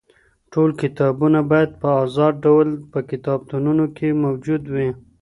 ټول کتابونه بايد په ازاد ډول په کتابتونونو کي موجود وي.